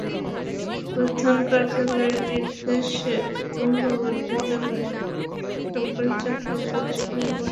প্রধান কার্যালয়ের নির্দেশে মঙ্গলবার বিকেলে সোহরাবকে চাকরি থেকে সাময়িক বরখাস্ত করা হয়।